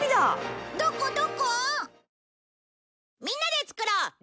みんなでつくろう！